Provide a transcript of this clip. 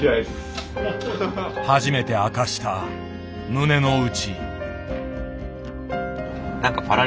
初めて明かした胸の内。